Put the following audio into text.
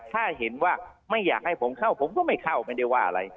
ถ้าเห็นว่าไม่อยากให้ผมเข้าผมก็ไม่เข้าไม่ได้ว่าอะไร